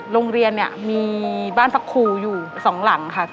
โรงเรียนเนี่ยมีบ้านพักครูอยู่๒หลังค่ะ